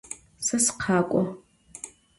Se sıkhek'o.